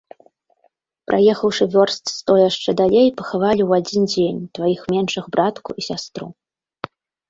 Праехаўшы вёрст сто яшчэ далей, пахавалі ў адзін дзень тваіх меншых братку і сястру.